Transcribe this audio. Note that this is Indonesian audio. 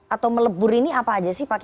atau melebur ini bisa diselesaikan